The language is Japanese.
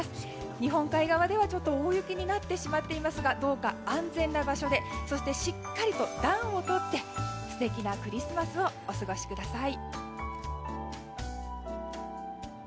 日本海側では大雪になってしまっていますがどうか安全な場所でそしてしっかりと暖をとって素敵なクリスマスをお過ごしください。